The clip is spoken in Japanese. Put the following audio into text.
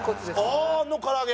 ああー！の唐揚げ。